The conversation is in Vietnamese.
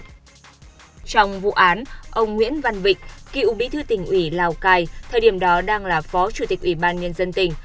trong vụ án ông nguyễn văn vịnh cựu bí thư tỉnh ủy lào cai thời điểm đó đang là phó chủ tịch ủy ban nhân dân tỉnh